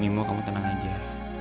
mimo kamu tenang aja